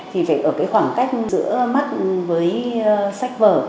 thì phải ở cái khoảng cách giữa mắt với sách vở